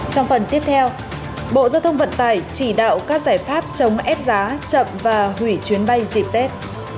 trong phần tiếp theo bộ giao thông vận tải chỉ đạo các giải pháp chống ép giá chậm và hủy chuyến bay dịp tết